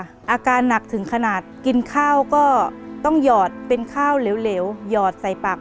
รายการต่อไปนี้เป็นรายการทั่วไปสามารถรับชมได้ทุกวัย